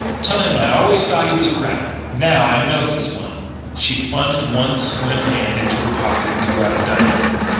"Tell him I always thought he was a rat. Now I know he's one." She plunged one slim hand into her pocket and drew out a diamond.